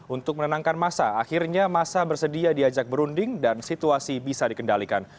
untuk menenangkan masa akhirnya masa bersedia diajak berunding dan situasi bisa dikendalikan